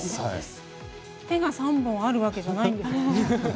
手が３本あるわけじゃないんですよね。